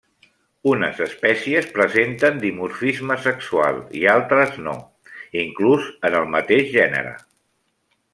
Unes espècies presenten dimorfisme sexual i altres no, inclús en el mateix gènere.